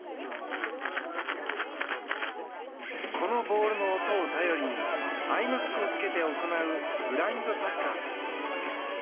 このボールの音を頼りにアイマスクを着けて行うブラインドサッカー。